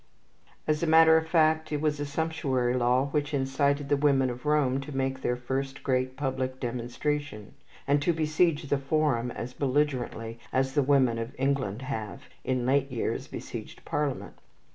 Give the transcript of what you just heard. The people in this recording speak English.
As a matter of fact it was a sumptuary law which incited the women of Rome to make their first great public demonstration, and to besiege the Forum as belligerently as the women of England have, in late years, besieged Parliament.